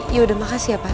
ya udah makasih ya pak